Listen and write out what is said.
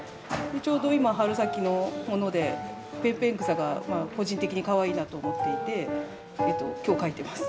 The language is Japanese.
ちょうど今春先のものでペンペン草が個人的にかわいいなと思っていて今日描いてます。